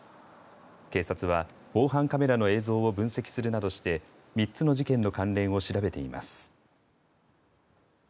警察は防犯カメラの映像を分析するなどして３つの事件の関連を調べています。